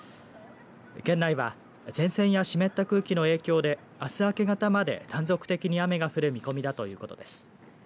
県内は前線や湿った空気の影響であす明け方まで断続的に雨が降る見込みだということです。